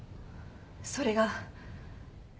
それが。